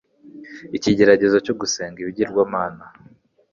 ikigeragezo cyo gusenga ibigirwamana.